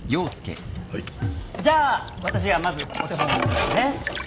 じゃ私がまずお手本を見せますね。